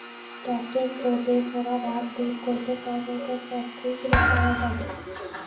ত্বকের রোদে পোড়া ভাব দূর করতে টমেটো পথ্য হিসেবে খাওয়া যায়।